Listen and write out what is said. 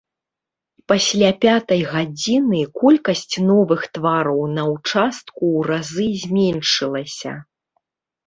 Пасля пятай гадзіны колькасць новых твараў на ўчастку ў разы зменшылася.